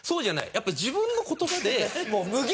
やっぱり自分の言葉で。